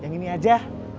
yang ini aja